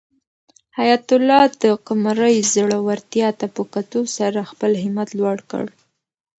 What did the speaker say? حیات الله د قمرۍ زړورتیا ته په کتو سره خپل همت لوړ کړ.